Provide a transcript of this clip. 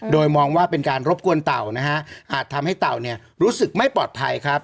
โดยมองว่าเป็นการรบกวนเต่านะฮะอาจทำให้เต่าเนี่ยรู้สึกไม่ปลอดภัยครับ